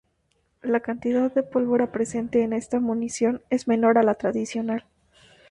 La cantidad de pólvora presente en esta munición es menor a la tradicional.